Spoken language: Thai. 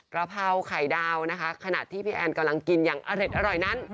กระเพราไข่ดาวนะคะขณะที่พี่แอนกำลังกินอย่างอร่อยนั้น